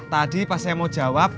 tadi pas saya mau jawab